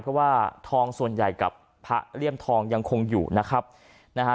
เพราะว่าทองส่วนใหญ่กับพระเลี่ยมทองยังคงอยู่นะครับนะฮะ